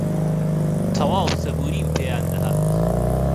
تەواو سەبووریم پێیان دەهات